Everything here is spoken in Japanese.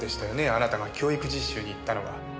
あなたが教育実習に行ったのは。